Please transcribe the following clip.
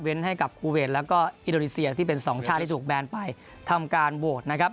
ให้กับคูเวทแล้วก็อินโดนีเซียที่เป็นสองชาติที่ถูกแบนไปทำการโหวตนะครับ